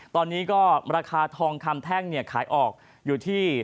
ตอนนี้ก็ราคาทองคำแท่งขายออกอยู่ที่